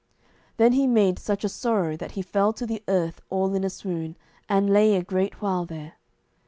Then he made such a sorrow that he fell to the earth all in a swoon, and lay a great while there.